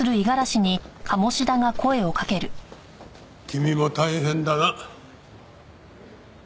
君も大変だな。